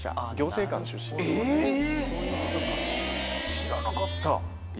知らなかった。